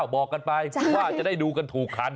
บอกกันไปว่าจะได้ดูกันถูกขัน